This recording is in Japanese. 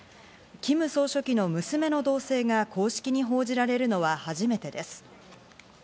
キム総書記の娘の動静が公式に報じられるのは初めてです。